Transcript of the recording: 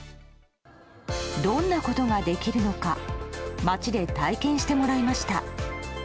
どんなことができるのか街で体験してもらいました。